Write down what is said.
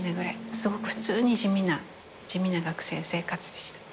すごく普通に地味な学生生活でした。